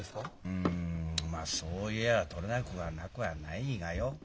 うんまあそう言や取れなくはなくはないがよ。